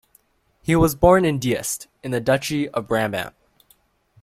He was born in Diest, in the Duchy of Brabant.